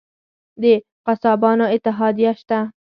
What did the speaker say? د قصابانو اتحادیه شته؟